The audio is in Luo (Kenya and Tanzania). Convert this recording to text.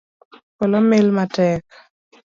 Polo mil matek.